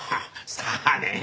さあね？